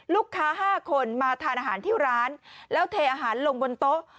ลูกค้า๕คนมาทานอาหารที่ร้านแล้วเทอาหารลงบนโต๊ะ